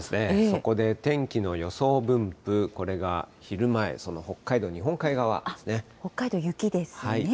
そこで天気の予想分布、これが昼前、その北海道、北海道、雪ですね。